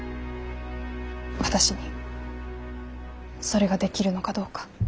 私にそれができるのかどうか。